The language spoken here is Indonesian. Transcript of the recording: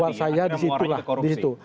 buat saya disitulah disitu